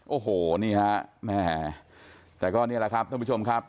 โอ้โหนี่ฮะแม่แต่ก็นี่แหละครับท่านผู้ชมครับ